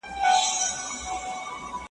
ښکاري زرکه ,